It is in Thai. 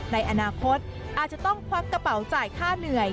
ในอนาคตอาจจะต้องควักกระเป๋าจ่ายค่าเหนื่อย